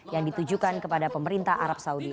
yang ditujukan kepada pemerintah arab saudi